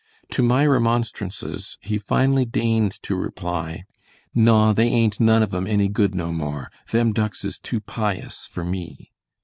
To my remonstrances, he finally deigned to reply: "Naw, they ain't none of 'em any good no more; them ducks is too pious for me."